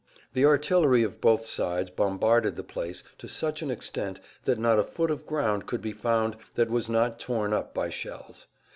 The artillery of both sides bombarded the place to such an extent that not a foot of ground could be found that was not torn up by shells.